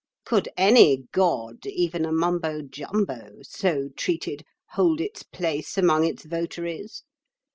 Could any god, even a Mumbo Jumbo, so treated, hold its place among its votaries?